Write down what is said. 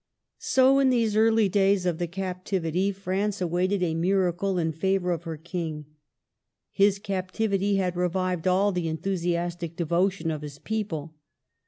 So, in these early days of the captivity France 86 MARGARET OF ANGOULEME. awaited a miracle in favor of her King. His cap tivity had revived all the enthusiastic devotion of his people.